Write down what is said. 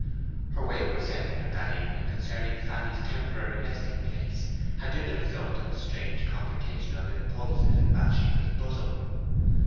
Her wayward sentiment that evening concerning Fanny's temporary resting place had been the result of a strange complication of impulses in Bathsheba's bosom.